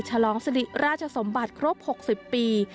ฉลองสริราชสมบัติครบ๖๐ปี